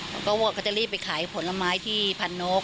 เขาก็ว่าก็จะรีบไปขายผลไม้ที่พันโน๊ก